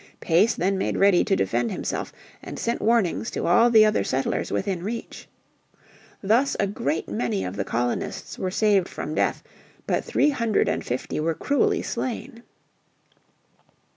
Pace then made ready to defend himself, and sent warnings to all the other settlers within reach. Thus a great many of the colonists were saved from death, but three hundred and fifty were cruelly slain.